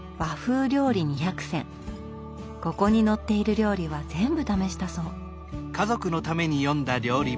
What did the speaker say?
ここに載っている料理は全部試したそう。